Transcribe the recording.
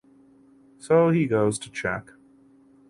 So he goes to check.